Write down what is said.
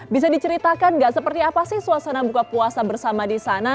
bisa diceritakan nggak seperti apa sih suasana buka puasa bersama di sana